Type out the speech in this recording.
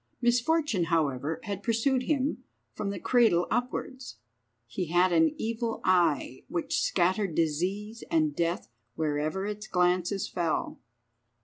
Misfortune, however, had pursued him from the cradle upwards. He had an evil eye, which scattered disease and death wherever its glances fell.